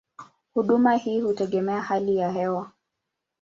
Huduma hii hutegemea hali ya hewa.